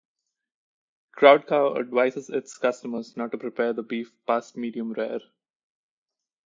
Crowd Cow advises its customers not to prepare the beef past medium rare.